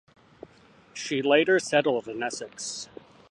She later settled in Essex.